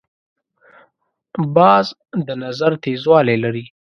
باز د نظر تیزوالی لري